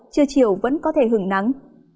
trưa chiều vẫn có thể hưởng nắng